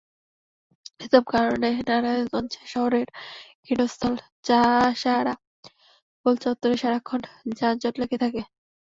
এসব কারণে নারায়ণগঞ্জ শহরের কেন্দ্রস্থল চাষাঢ়া গোলচত্বরে সারাক্ষণ যানজট লেগে থাকে।